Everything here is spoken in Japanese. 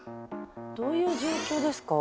どういう状況ですか？